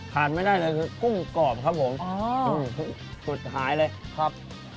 ขาดไม่ได้เลยคือกุ้งกรอบครับผมอ๋ออืมสุดท้ายเลยครับ